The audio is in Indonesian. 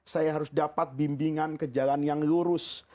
saya harus dapat bimbingan ke jalan yang lurus